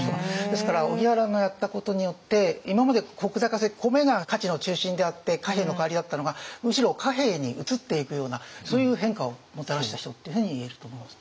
ですから荻原がやったことによって今まで石高で米が価値の中心であって貨幣の代わりだったのがむしろ貨幣に移っていくようなそういう変化をもたらした人っていうふうにいえると思います。